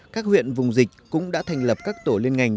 các huyện vùng dịch cũng đã thành lập các tổ liên ngành